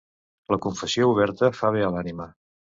La confessió oberta fa bé a l'ànima.